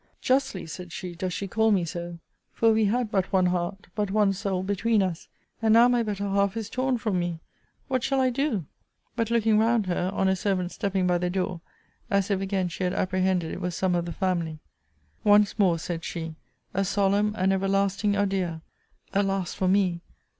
Justly, said she, does she call me so; for we had but one heart, but one soul, between us; and now my better half is torn from me What shall I do? But looking round her, on a servant's stepping by the door, as if again she had apprehended it was some of the family Once more, said she, a solemn, an everlasting adieu! Alas for me!